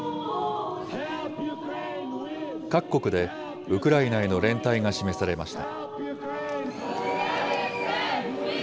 各国でウクライナへの連帯が示されました。